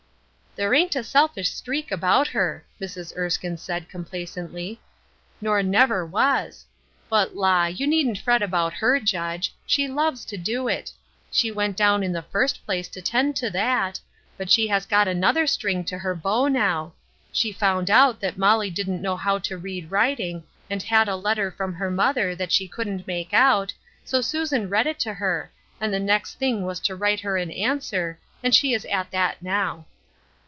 " There ain't a selfish streak about her," Mrs. Erskine said, complacently " nor never was. But la I you needn't fret about her, Judge ; she loves to do it. She went down in the first place to 'tend to that, but she has got another string to her bow now ; she found out that Mol lie didn't know how to read writing, and had a letter from her mother that she couldn't make out, so Susan read it to her, and the next thing was to write her an answer, and she is at that now."